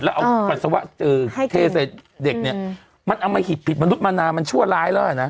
เอาปัสสาวะเทใส่เด็กเนี่ยมันเอามาหิดผิดมนุษย์มนามันชั่วร้ายแล้วเนี่ยนะ